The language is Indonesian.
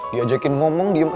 diajakin ngomong diem aja